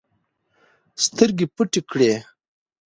سترګې پټې کړې